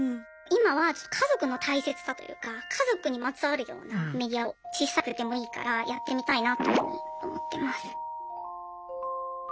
今は家族の大切さというか家族にまつわるようなメディアを小さくてもいいからやってみたいなというふうに思ってます。